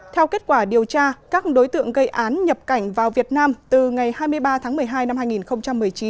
theo kết quả điều tra các đối tượng gây án nhập cảnh vào việt nam từ ngày hai mươi ba tháng một mươi hai năm hai nghìn một mươi chín